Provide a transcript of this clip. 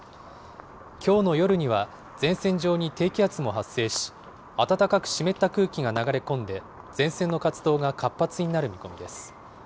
きょうの夜には前線上に低気圧も発生し、暖かく湿った空気が流れ込んで、前線の活動が活発になる見込みです。